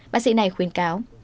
bác sĩ này khuyên cáo